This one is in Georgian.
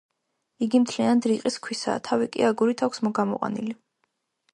იგი მთლიანად რიყის ქვისაა, თავი კი აგურით აქვს გამოყვანილი.